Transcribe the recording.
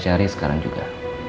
saya cari sekarang juga